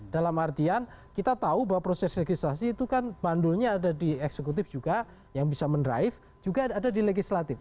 dalam artian kita tahu bahwa proses legislasi itu kan bandulnya ada di eksekutif juga yang bisa mendrive juga ada di legislatif